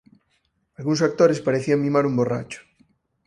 Algúns actores parecían mimar un borracho.